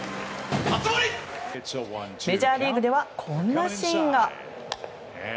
メジャーリーグではこんなシーンが。